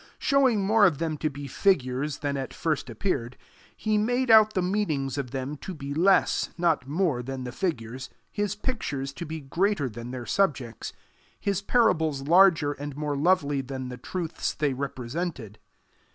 Showing more of them to be figures than at first appeared, he made out the meanings of them to be less, not more than the figures, his pictures to be greater than their subjects, his parables larger and more lovely than the truths they represented.